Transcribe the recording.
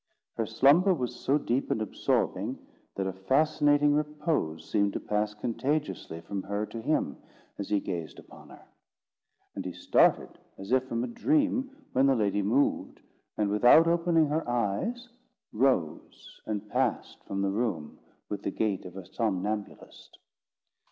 Her slumber was so deep and absorbing that a fascinating repose seemed to pass contagiously from her to him as he gazed upon her; and he started as if from a dream, when the lady moved, and, without opening her eyes, rose, and passed from the room with the gait of a somnambulist.